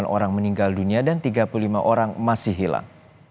delapan orang meninggal dunia dan tiga puluh lima orang masih hilang